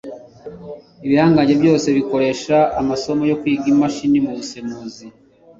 ibihangange byose bikoresha amasomo yo kwiga imashini mubusemuzi